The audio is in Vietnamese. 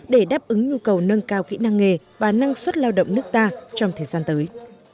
để đáp ứng nhu cầu nâng cao kỹ năng nghề và năng suất lao động nước ta trong thời gian tới